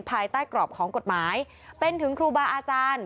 ภายใต้กรอบของกฎหมายเป็นถึงครูบาอาจารย์